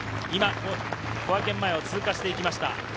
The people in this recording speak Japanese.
今、小涌園前を通過していきました。